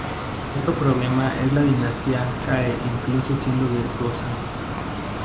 Otro problema es si la dinastía cae incluso siendo virtuosa.